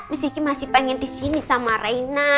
miss gigi masih pengen disini sama reina